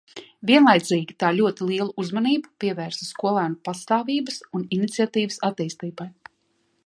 Vienlaicīgi tā ļoti lielu uzmanību pievērsa skolēnu patstāvības un iniciatīvas attīstībai.